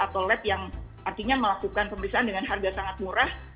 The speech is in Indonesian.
atau lab yang artinya melakukan pemeriksaan dengan harga sangat murah